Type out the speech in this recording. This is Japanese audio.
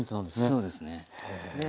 そうですね。